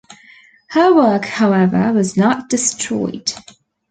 Her work however was not destroyed.